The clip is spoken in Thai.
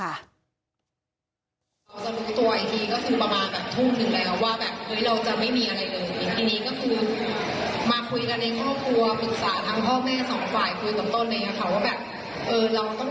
เราจะรู้ตัวอีกทีก็คือประมาณแบบทุ่มนึงแหละว่าแบบ